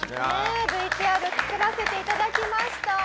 ＶＴＲ作らせていただきました。